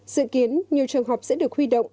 dự kiến nhiều trường hợp sẽ được huy động